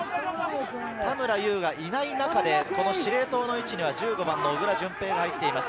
田村優がいない中で司令塔の位置には１５番の小倉順平が入っています。